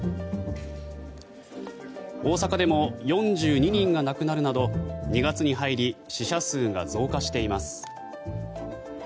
大阪でも４２人が亡くなるなど２月に入り死者数が増加しています。